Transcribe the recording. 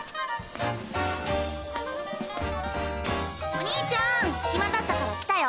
お兄ちゃん暇だったから来たよ。